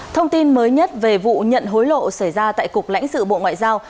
thông tin mới nhất về vụ nhận hối lộ xảy ra tại cục lãnh sự bộ ngoại giao